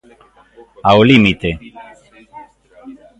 Ao límite.